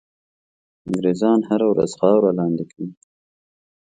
انګرېزان هره ورځ خاوره لاندي کوي.